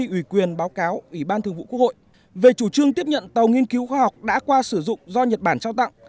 ủy quyền báo cáo ủy ban thường vụ quốc hội về chủ trương tiếp nhận tàu nghiên cứu khoa học đã qua sử dụng do nhật bản trao tặng